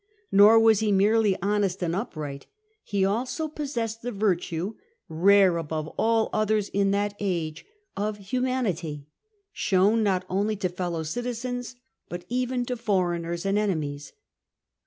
Nor was he merely honest and upright; he also possessed the virtue — rare above all others in that age — of humanity, shown not only to follow citkens, but even to foreigners and enemies.